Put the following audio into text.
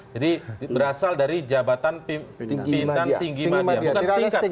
jadi berasal dari jabatan pimpinan tinggi madya